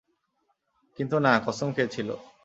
কিন্তু না, কসম খেয়েছিল।